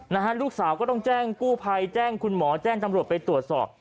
นะฮะลูกสาวก็ต้องแจ้งกู้ภัยแจ้งคุณหมอแจ้งจำรวจไปตรวจสอบ